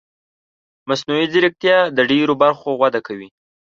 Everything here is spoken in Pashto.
مصنوعي ځیرکتیا د ډېرو برخو وده کوي.